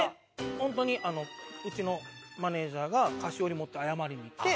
ホントにうちのマネジャーが菓子折り持って謝りに行って。